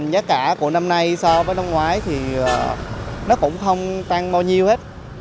giá cả của năm nay so với năm ngoái thì nó cũng không tăng bao nhiêu hết